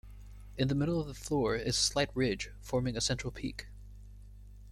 In the middle of the floor is a slight ridge, forming a central peak.